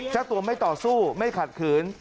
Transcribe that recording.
เจ้าตัวไม่ต่อสู้ไม่ขัดขืน